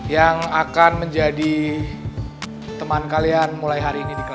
yang akan menjadi teman kalian mulai hari ini di kelas